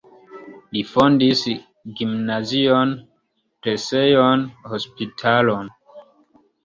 Li fondis gimnazion, presejon, hospitalon.